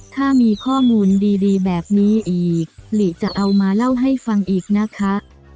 ถ้ามีข้อมูลดีแบบนี้อีกหลีจะเอามาเล่าให้ฟังอีกนะคะ